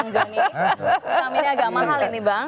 vitaminnya agak mahal ini bang